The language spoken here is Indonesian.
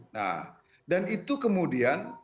nah dan itu kemudian